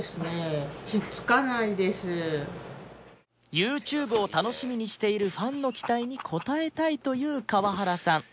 ＹｏｕＴｕｂｅ を楽しみにしているファンの期待に応えたいという川原さん